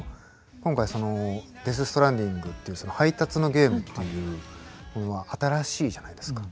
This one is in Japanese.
今回その「デス・ストランディング」っていう配達のゲームというものは新しいじゃないですか。